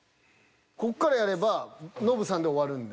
こっからやればノブさんで終わるんで。